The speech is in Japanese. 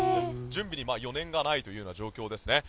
準備に余念がないという状況ですね。